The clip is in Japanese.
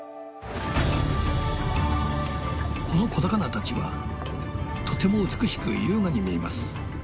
この小魚たちはとても美しく優雅に見えます。